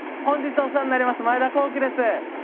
本日お世話になります前田航基です。